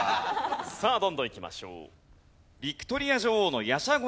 さあどんどんいきましょう。